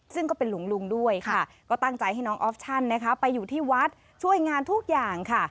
ซึ่งก็เป็นหลวงลุงด้วยค่ะก็ตั้งใจให้น้องออฟชั่นนะคะไปอยู่ที่วัดช่วยงานทุกอย่างค่ะ